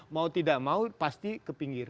mau tidak mau pasti ke pinggir